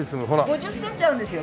５０センチあるんですよ